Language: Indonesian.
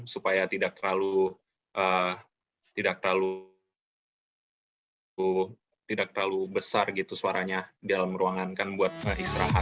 supaya tidak terlalu besar gitu suaranya dalam ruangan kan buat israhat